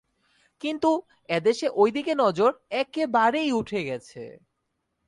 কিন্তু এদেশে ঐদিকে নজর একেবারেই উঠে গেছে।